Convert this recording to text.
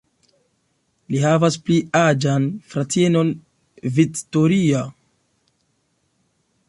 Li havas pli aĝan fratinon Victoria.